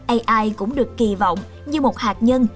ai cũng được kỳ vọng như một hạt nhân